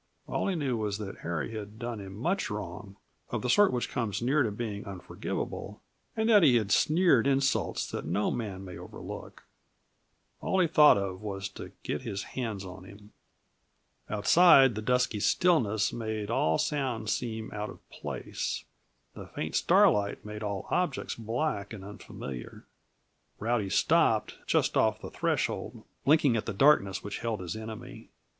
All he knew was that Harry had done him much wrong, of the sort which comes near to being unforgivable, and that he had sneered insults that no man may overlook. All he thought of was to get his hands on him. Outside, the dusky stillness made all sounds seem out of place; the faint starlight made all objects black and unfamiliar. Rowdy stopped, just off the threshold, blinking at the darkness which held his enemy.